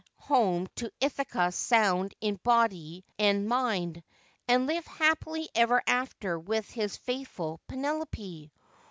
325 home to Ithaca sound in body and mind, and live happy ever afterwards with his faithful Penelope